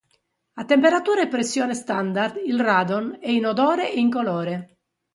A temperatura e pressione standard il radon è inodore e incolore.